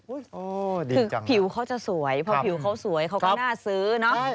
อุ๊ยพิวเค้าจะสวยเพราะถ้าพิวเค้าสวยเขาก็น่าซื้อ